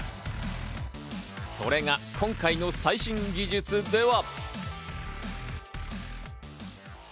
それが今回の最新技術では。